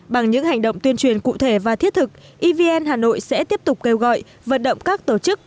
bằng những hành động tuyên truyền cụ thể và thiết thực evn hà nội sẽ tiếp tục kêu gọi vận động các tổ chức